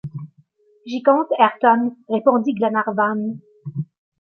J’y compte, Ayrton, » répondit Glenarvan.